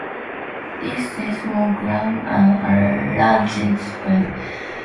The seismograms are arranged vertically by distance from the epicenter in degrees.